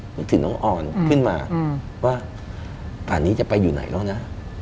นึกถึงน้องออนขึ้นมาว่าป่านนี้จะไปอยู่ไหนแล้วนะ